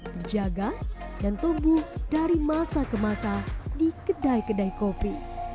berjaga dan tumbuh dari masa ke masa di kedai kedai kopi